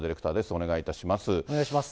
お願いいたします。